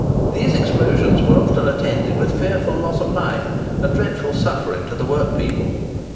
These explosions were often attended with fearful loss of life and dreadful suffering to the workpeople.